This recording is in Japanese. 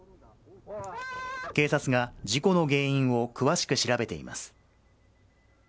警察が事故の原因を詳しく調べています。